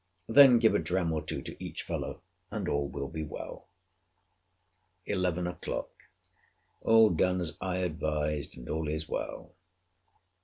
Then give a dram or two to each fellow, and all will be well. ELEVEN O'CLOCK. All done as I advised; and all is well.